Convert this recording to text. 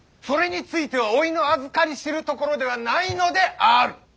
それについてはおいのあずかり知るところではないのである！